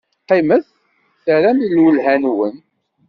Qqimet terram lwelha-nwen.